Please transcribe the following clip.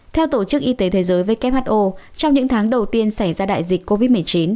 theo tổ chức y tế thế giới who trong những tháng đầu tiên xảy ra đại dịch covid một mươi chín